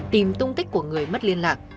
tìm tung tích của người mất liên lạc